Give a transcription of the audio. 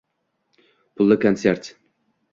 Pulli konsert